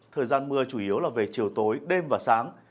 thời gian mưa chủ yếu là về chiều tối đêm và sáng